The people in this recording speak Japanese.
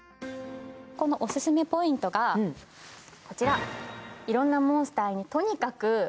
このオススメポイントがこちら。